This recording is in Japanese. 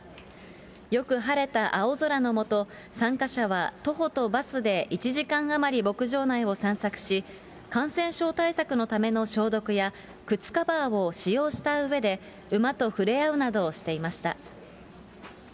よく晴れた青空の下、参加者は徒歩とバスで１時間余り牧場内を散策し、感染症対策のための消毒や、靴カバーを使用したうえで、馬と触れ合うなどしていました。